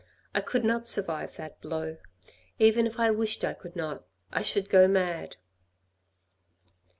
I could not survive that blow. Even if I wished I could not ; I should go mad."